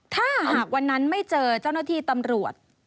ถ้าหากวันนั้นไม่เจอเจ้าหน้าที่ตำรวจ